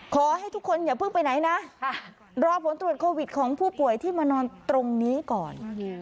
ขอให้ทุกคนอย่าเพิ่งไปไหนนะรอผลตรวจโควิดของผู้ป่วยที่มานอนตรงนี้ก่อน